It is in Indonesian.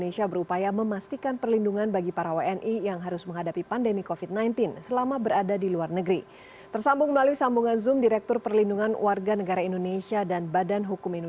selamat sore mbak presiden